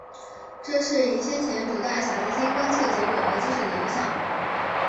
这是以先前主带小行星观测结果为基础的一个项目。